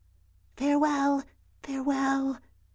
" Farewell, farewell!